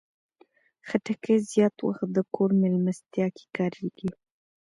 خټکی زیات وخت د کور مېلمستیا کې کارېږي.